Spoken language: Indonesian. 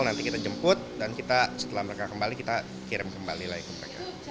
nanti kita jemput dan setelah mereka kembali kita kirim kembali lagi ke mereka